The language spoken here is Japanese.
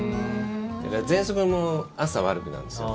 ぜんそくも朝、悪くなるんですよね。